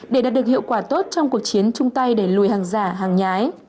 để đạt được hiệu quả tốt trong cuộc chiến chung tay đẩy lùi hàng giả hàng nhái